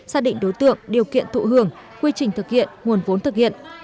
xác định đối tượng điều kiện thụ hưởng quy trình thực hiện nguồn vốn thực hiện